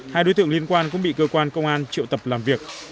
hai đối tượng liên quan cũng bị cơ quan công an triệu tập làm việc